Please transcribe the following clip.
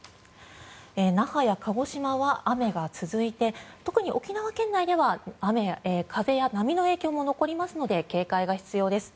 那覇や鹿児島は雨が続いて特に沖縄県内では風や波の影響も残りますので警戒が必要です。